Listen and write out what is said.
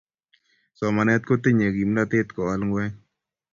somanet kotinyei kimnatet kowal ngueny